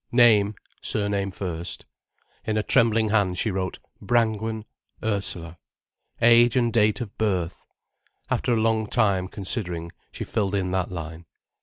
"Name (surname first):..." In a trembling hand she wrote, "Brangwen,—Ursula." "Age and date of birth:..." After a long time considering, she filled in that line.